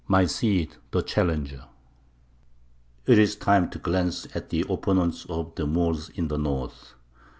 MY CID THE CHALLENGER. It is time to glance at the opponents of the Moors in the North.